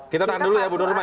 kita tahan dulu ya bu nurma ya